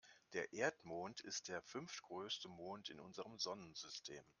Der Erdmond ist der fünftgrößte Mond in unserem Sonnensystem.